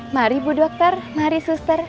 mari bu dokter mari suster